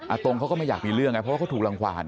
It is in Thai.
อาตงก็ไม่อยากมีเรื่องนะเพราะเขาก็ถูกรางฟัน